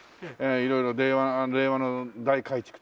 色々令和の大改築という事で。